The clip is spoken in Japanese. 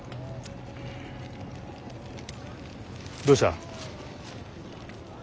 どうした。